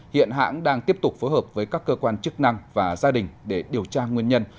hiện hãng đang tiếp tục phối hợp với các cơ quan chức năng và gia đình để điều tra nguyên nhân